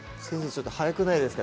ちょっと速くないですか？